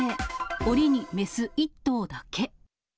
おりに雌１頭だけ。